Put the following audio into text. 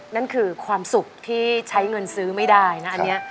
นั่นคือความสุขที่ใช้เงินซื้อไม่ได้นะอันนี้